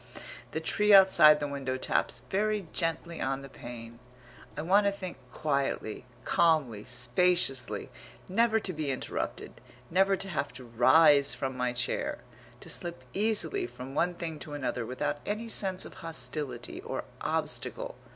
The tree outside the window taps very gently on the pane.... I want to think quietly, calmly, spaciously, never to be interrupted, never to have to rise from my chair, to slip easily from one thing to another, without any sense of hostility, or obstacle.